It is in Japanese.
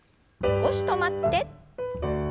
少し止まって。